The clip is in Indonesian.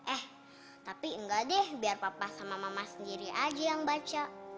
eh tapi enggak deh biar papa sama mama sendiri aja yang baca